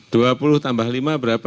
dua puluh tambah lima berapa